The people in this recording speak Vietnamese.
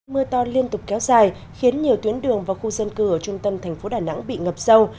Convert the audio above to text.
mưa to liên tục kéo dài khiến nhiều tuyến đường và khu dân cư ở trung tâm thành phố đà nẵng bị ngập sâu